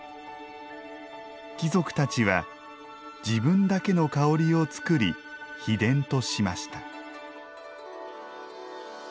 貴族たちは自分だけの香りを作り秘伝としました。